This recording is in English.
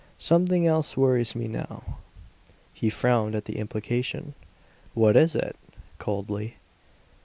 Something else worries me now." He frowned at the implication. "What is it?" coldly.